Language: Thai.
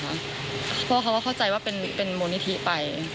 เพราะว่าเขาก็เข้าใจว่าเป็นมูลนิธิไป